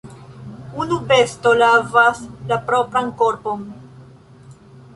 Unu besto lavas la propran korpon.